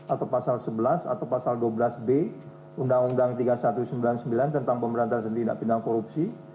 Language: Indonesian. atau pasal sebelas atau pasal dua belas b undang undang tiga ribu satu ratus sembilan puluh sembilan tentang pemberantasan tindak pindahan korupsi